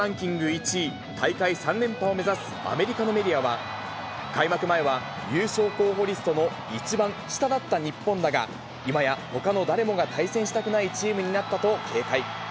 １位、大会３連覇を目指すアメリカのメディアは、開幕前は優勝候補リストの一番下だった日本だが、今やほかの誰もが対戦したくないチームになったと警戒。